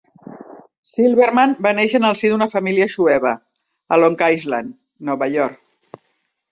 Silverman va néixer en el si d'una família jueva a Long Island, Nova York.